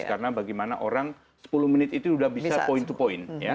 karena bagaimana orang sepuluh menit itu sudah bisa point to point